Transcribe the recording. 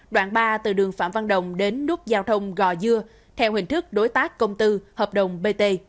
đoạn ba từ đường phạm văn đồng đến nút giao thông gò dưa theo hình thức đối tác công tư hợp đồng bt